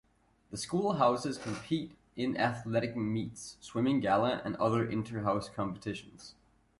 The School Houses compete in Athletic Meets, Swimming Gala and other interhouse competitions.